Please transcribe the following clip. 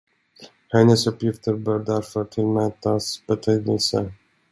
Hennes uppgifter bör därför tillmätas betydelse.